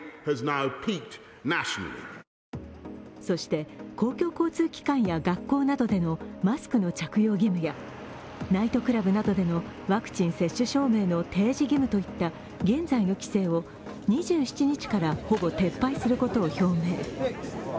そして、公共交通機関や学校などでのマスクの着用義務や、ナイトクラブなどでのワクチン接種証明の提示義務といった現在の規制を２７日からほぼ撤廃することを表明。